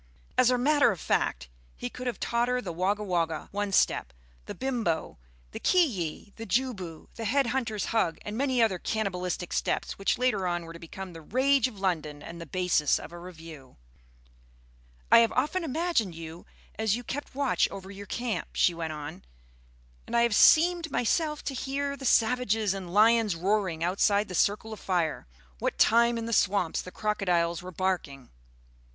As a matter of fact, he could have taught her the Wogga Wogga one step, the Bimbo, the Kiyi, the Ju bu, the Head hunter's Hug and many other cannibalistic steps which, later on, were to become the rage of London and the basis of a revue. "I have often imagined you as you kept watch over your camp," she went on, "and I have seemed myself to hear the savages and lions roaring outside the circle of fire, what time in the swamps the crocodiles were barking."